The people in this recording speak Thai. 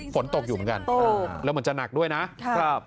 ฝนตกอยู่เหมือนกันแล้วเหมือนจะหนักด้วยนะครับ